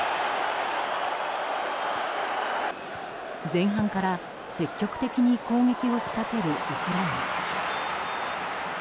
前半から積極的に攻撃を仕掛けるウクライナ。